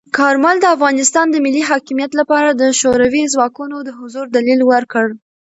کارمل د افغانستان د ملی حاکمیت لپاره د شوروي ځواکونو د حضور دلیل ورکړ.